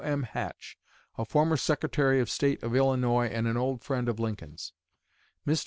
M. Hatch, a former Secretary of State of Illinois and an old friend of Lincoln's. Mr.